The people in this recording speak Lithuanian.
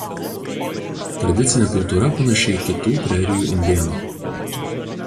Tradicinė kultūra panaši į kitų prerijų indėnų.